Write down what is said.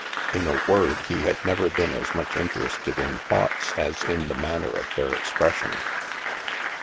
In a word, he had never been as much interested in thoughts as in the manner of their expression.